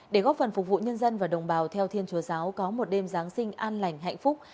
để góp phần phục vụ nhân dân và đồng bào theo thiên chúa giáo có một đêm giáng sinh an lành hạnh phúc